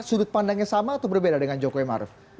sudut pandangnya sama atau berbeda dengan jogja marun